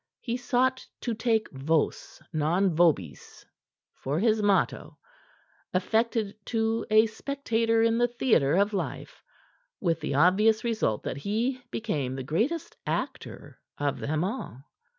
He sought to take vos non vobis for his motto, affected to a spectator in the theatre of Life, with the obvious result that he became the greatest actor of them all.